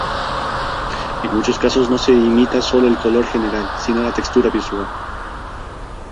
En muchos casos no se imita sólo el color general sino la textura visual.